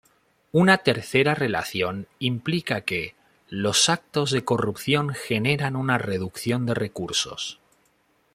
Una tercera relación implica que, los actos de corrupción generan una reducción de recursos.